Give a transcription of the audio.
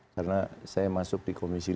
karena saya masuk di komisi lima